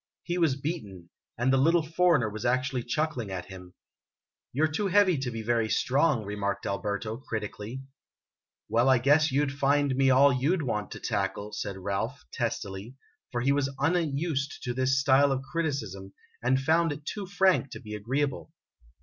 He was beaten ; and the little foreigner was actually chuckling at him. > yi ''^ THE TUG OF WAR. "You 're too heavy to be very strong," remarked Alberto, critically. "Well, I guess you 'd find me all you 'd want to tackle!" said Ralph, testily, for he was unused to this style of criticism, and found it too frank to be agreeable.